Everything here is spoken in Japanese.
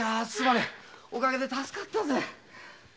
お陰で助かったぜ。